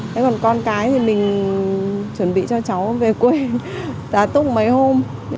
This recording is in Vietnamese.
thế còn con cái thì mình chuẩn bị cho cháu về quê giá túc mấy hôm